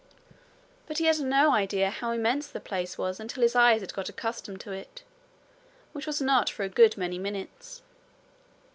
But he had no idea how immense the place was until his eyes had got accustomed to it, which was not for a good many minutes.